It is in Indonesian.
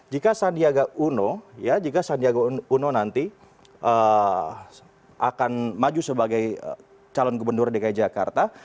jika sandiaga uno nanti akan maju sebagai calon gubernur dki jakarta